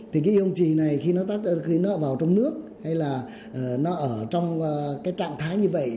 thì cái ông trì này khi nó vào trong nước hay là nó ở trong cái trạng thái như vậy